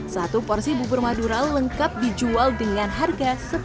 satu porsi bubur madura lengkap dijual dengan harga rp sepuluh